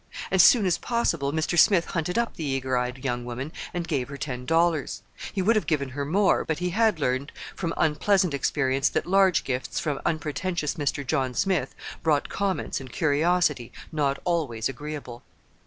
As soon as possible Mr. Smith hunted up the eager eyed young woman and gave her ten dollars. He would have given her more, but he had learned from unpleasant experience that large gifts from unpretentious Mr. John Smith brought comments and curiosity not always agreeable.